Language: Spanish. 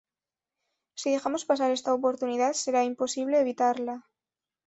Si dejamos pasar esta oportunidad, será imposible evitarla.